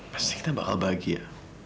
pasti kita bakal bahagia